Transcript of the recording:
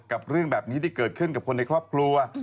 เรื่องแบบนี้ที่เกิดขึ้นกับคนในครอบครัว